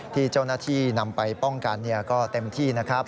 ที่เจ้าหน้าที่นำไปป้องกันก็เต็มที่นะครับ